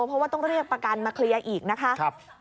เพราะว่าต้องเรียกประกันมาเคลียร์อีกนะคะ